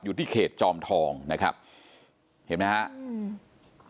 อยู่ที่เขตจอมทองนะครับเห็นไหมฮะอืม